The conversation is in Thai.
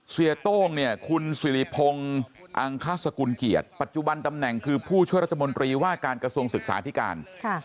โต้งเนี่ยคุณสิริพงศ์อังคสกุลเกียรติปัจจุบันตำแหน่งคือผู้ช่วยรัฐมนตรีว่าการกระทรวงศึกษาธิการ